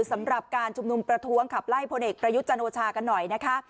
สำหรับการชุมนุมประท้วงขับไล่พลเอกประยุทธ์จันโอชากันหน่อยนะคะ